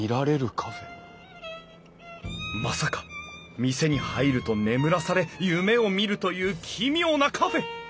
まさか店に入ると眠らされ夢を見るという奇妙なカフェ！？